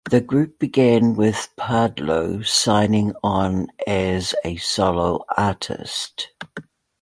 The group began with Pardlo signing on as a solo artist.